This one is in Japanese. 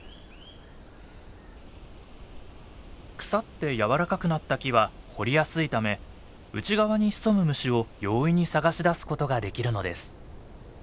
腐って柔らかくなった木は掘りやすいため内側に潜む虫を容易に探し出すことができるのです。